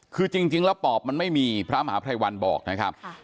คือจริงแล้วปอบมันไม่มีพระมหาภัยวันบอกนะครับ